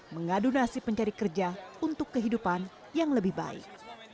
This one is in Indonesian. mengadu nasib mencari kerja untuk kehidupan yang lebih baik